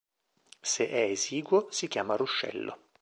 Se è esiguo, si chiama "ruscello".